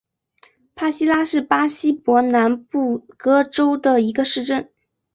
帕西拉是巴西伯南布哥州的一个市镇。